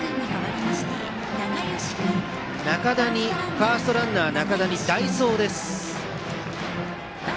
ファーストランナー仲田に代走です。